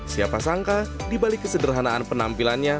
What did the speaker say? siapa sangka dibalik kesederhanaan penampilannya